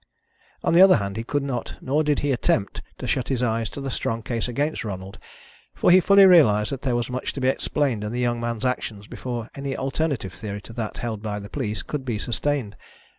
On the other hand, he could not, nor did he attempt, to shut his eyes to the strong case against Ronald, for he fully realised that there was much to be explained in the young man's actions before any alternative theory to that held by the police could be sustained.